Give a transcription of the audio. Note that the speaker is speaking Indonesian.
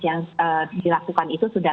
yang dilakukan itu sudah